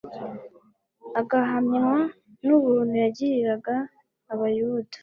agahamywa n'ubuntu yagiriraga abayuda,